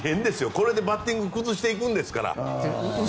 これでバッティングを崩していくんですから。